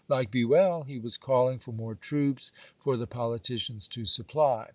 Like Buell, he was call ing for more troops for the " politicians" to supply.